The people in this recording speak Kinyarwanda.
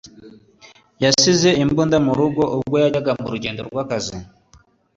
yasize imbunda mu rugo ubwo yajyaga mu rugendo rw’akazi.